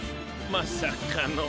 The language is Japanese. まさかの。